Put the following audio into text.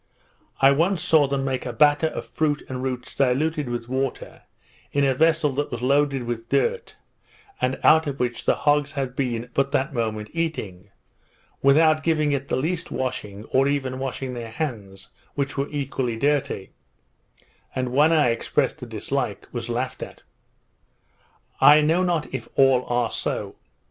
I once saw them make a batter of fruit and roots diluted with water, in a vessel that was loaded with dirt, and out of which the hogs had been but that moment eating, without giving it the least washing, or even washing their hands, which were equally dirty; and when I expressed a dislike, was laughed at. I know not if all are so.